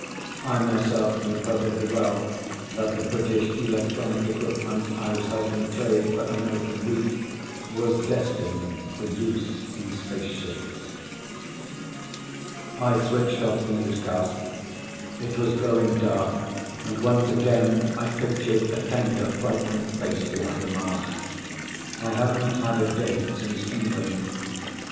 I myself knew perfectly well that the British electronic equipment I was helping trade for American wheat was destined for use in spaceships. I switched off the newscast. It was growing dark and once again I pictured a tender, frightened face behind a mask. I hadn't had a date since England.